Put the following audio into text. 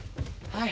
はい。